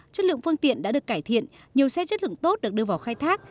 chất lượng phương tiện đã được cải thiện nhiều xe chất lượng tốt được đưa vào khai thác